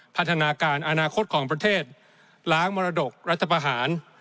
พัฒนาการอนาคตของประเทศล้างมรดกรรษฐภาษณ์